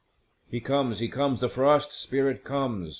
He comes, he comes, the Frost Spirit comes!